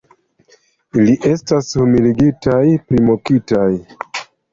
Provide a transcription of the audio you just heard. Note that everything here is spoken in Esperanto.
Ili estis humiligitaj, primokitaj.